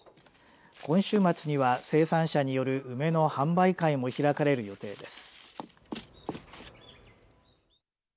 今週末には生産者による梅の販売会も開かれる予定です。